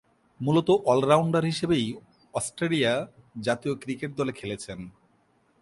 মূলতঃ অল-রাউন্ডার হিসেবেই অস্ট্রেলিয়া জাতীয় ক্রিকেট দলে খেলছেন।